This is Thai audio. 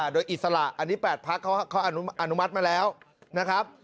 โดยอิสระอันนี้๘พักเขาอนุมัติมาแล้วนะครับ